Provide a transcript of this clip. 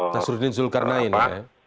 nasruddin zulkarnain ya